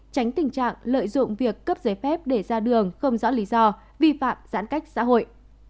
tránh tình trạng lợi dụng việc cấp giấy phép để ra đường không rõ lý do vi phạm giãn cách xã hội